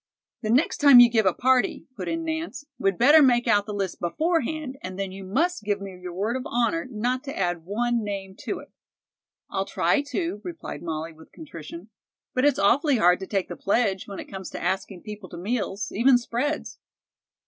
"The next time you give a party," put in Nance, "we'd better make out the list beforehand, and then you must give me your word of honor not to add one name to it." "I'll try to," replied Molly with contrition, "but it's awfully hard to take the pledge when it comes to asking people to meals, even spreads."